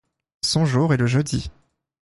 Son jour est le jeudi.